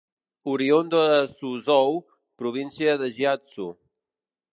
Oriünd de Suzhou, província de Jiangsu.